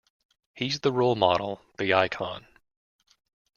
He's the role model, the icon.